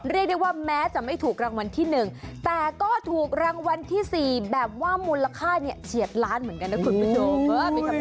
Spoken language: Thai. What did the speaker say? เรียกได้ว่าแม้จะไม่ถูกรางวัลที่๑แต่ก็ถูกรางวัลที่๔แบบว่ามูลค่าเนี่ยเฉียดล้านเหมือนกันนะคุณผู้ชม